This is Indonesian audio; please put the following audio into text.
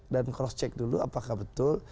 dan cross check dulu apakah betul